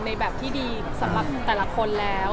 ในแบบที่ดีสำหรับแต่ละคนแล้ว